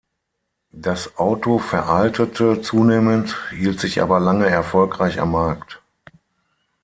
Das Auto veraltete zunehmend, hielt sich aber lange erfolgreich am Markt.